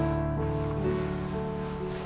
aduh kebentur lagi